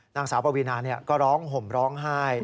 นางสาวปวีนาก็ร้องห่มร้องไห้